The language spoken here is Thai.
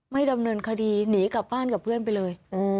ไม่ดำเนินคดีหนีกลับบ้านกับเพื่อนไปเลย